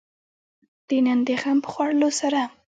د نن د غم په خوړلو سره.